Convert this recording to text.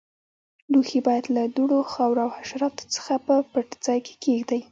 لوښي باید له دوړو، خاورو او حشراتو څخه په پټ ځای کې کېږدئ.